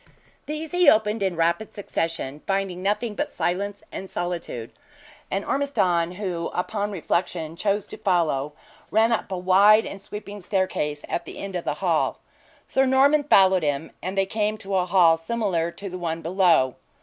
These he opened in rapid succession, finding nothing but silence and solitude; and Ormiston who, upon reflection, chose to follow ran up a wide and sweeping staircase at the end of the hall. Sir Norman followed him, and they came to a hall similar to the one below.